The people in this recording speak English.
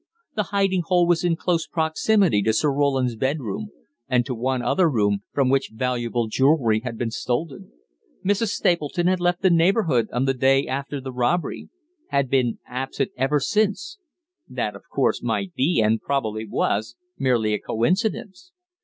The hiding hole was in close proximity to Sir Roland's bedroom, and to one other room from which valuable jewellery had been stolen. Mrs. Stapleton had left the neighbourhood on the day after the robbery, had been absent ever since that of course might be, and probably was, merely a coincidence.